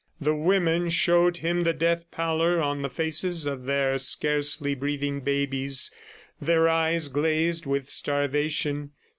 The women showed him the death pallor on the faces of their scarcely breathing babies, their eyes glazed with starvation.